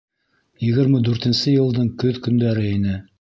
Егерме дүртенсе йылдың көҙ көндәре ине.